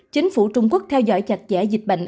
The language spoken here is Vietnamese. chính phủ trung quốc theo dõi chặt chẽ dịch bệnh